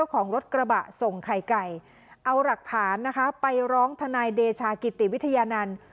ของรถกระบะส่งไข่ไก่เอาหลักฐานนะคะไปร้องทนายเดชากิติวิทยานันต์